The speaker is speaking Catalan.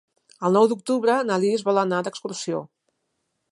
El nou d'octubre na Lis vol anar d'excursió.